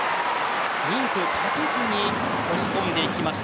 人数かけずに押し込んで行きました。